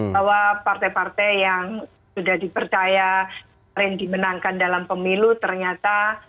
bahwa partai partai yang sudah dipercaya sering dimenangkan dalam pemilu ternyata